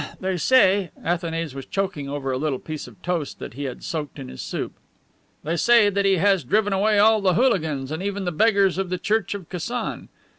ah, ah... they say..." (Athanase was choking over a little piece of toast that he had soaked in his soup) "they say that he has driven away all the hooligans and even all the beggars of the church of Kasan."